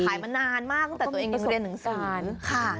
มานานมากตั้งแต่ตัวเองเรียนหนังสือค่ะ